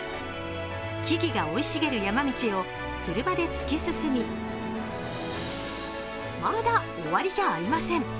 木々が生い茂る山道を車で突き進みまだ終わりじゃありません。